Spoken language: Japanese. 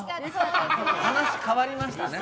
話変わりましたね。